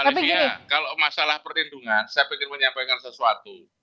olivia kalau masalah perlindungan saya ingin menyampaikan sesuatu